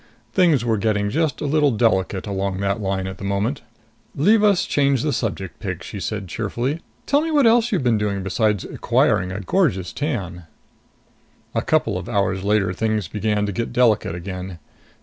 Things were getting just a little delicate along that line at the moment. "Leave us change the subject, pig," she said cheerfully. "Tell me what else you've been doing besides acquiring a gorgeous tan." A couple of hours later, things began to get delicate again.